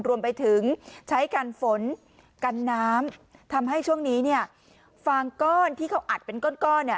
รวมไปถึงใช้กันฝนกันน้ำทำให้ช่วงนี้เนี่ยฟางก้อนที่เขาอัดเป็นก้อนก้อนเนี่ย